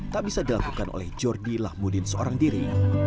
tak bisa dilakukan oleh jordi lahmudin seorang diri